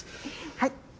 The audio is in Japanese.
はい！